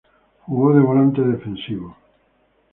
Jugó de volante defensivo.